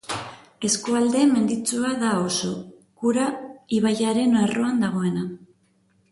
Eskualde menditsua da oso, Kura ibaiaren arroan dagoena.